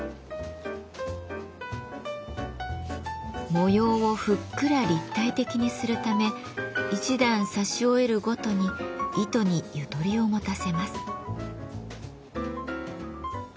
模様をふっくら立体的にするため一段刺し終えるごとに糸にゆとりを持たせます。